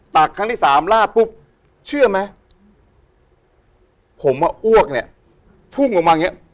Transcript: ครั้งที่สามลาดปุ๊บเชื่อไหมผมว่าอ้วกเนี่ยพุ่งออกมาอย่างเงี้ย